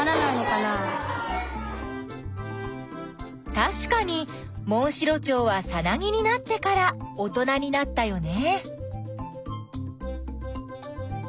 たしかにモンシロチョウはさなぎになってから大人になったよね。